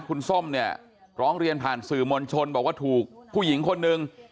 คุณส้มเนี่ยร้องเรียนผ่านสื่อมวลชนบอกว่าถูกผู้หญิงคนหนึ่ง